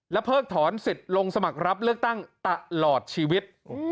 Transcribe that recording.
เพิกถอนสิทธิ์ลงสมัครรับเลือกตั้งตลอดชีวิต